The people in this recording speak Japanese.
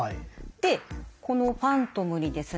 でこのファントムにですね